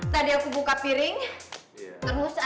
tadi aku buka piring terus ada kecoa